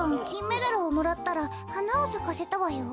メダルをもらったらはなをさかせたわよ。